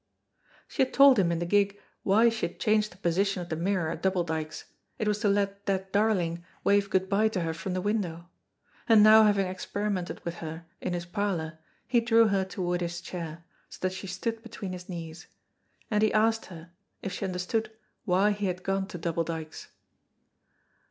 She had told him in the gig why she had changed the position of the mirror at Double Dykes, it was to let "that darling" wave good by to her from the window; and now having experimented with her in his parlor he drew her toward his chair, so that she stood between his knees. And he asked her if she understood why he had gone to Double Dykes.